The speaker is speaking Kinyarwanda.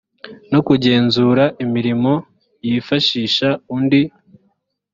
no kugenzura imirimo yifashisha undi